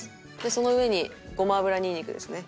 その上にごま油にんにくですね。